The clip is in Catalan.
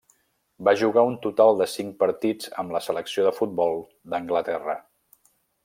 Va jugar un total de cinc partits amb la selecció de futbol d'Anglaterra.